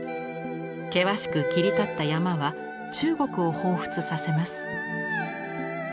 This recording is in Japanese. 険しく切り立った山は中国をほうふつさせます。